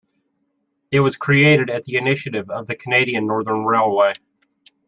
It was created at the initiative of the Canadian Northern Railway.